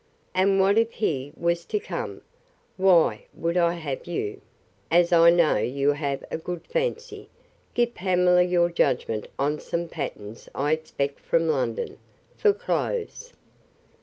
And what if he was to come?—Why I would have you, as I know you have a good fancy, give Pamela your judgment on some patterns I expect from London, for clothes.